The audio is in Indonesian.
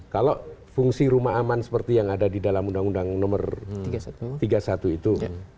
kalau fungsi rumah aman seperti yang ada di dalam undang undang nomor tiga puluh satu itu